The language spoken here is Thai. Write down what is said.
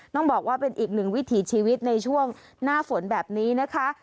ต้องบอกว่าเป็นอีกหนึ่งวิถีชีวิตในช่วงหน้าฝนแบบนี้นะคะ